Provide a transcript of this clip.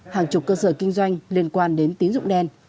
hàng chục cơ sở kinh doanh liên quan đến tín dụng đen